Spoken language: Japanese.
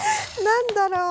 何だろう？